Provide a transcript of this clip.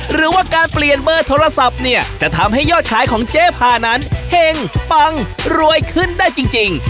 หรือว่าการเปลี่ยนเบอร์โทรศัพท์เนี่ยจะทำให้ยอดขายของเจ๊พานั้นเห็งปังรวยขึ้นได้จริง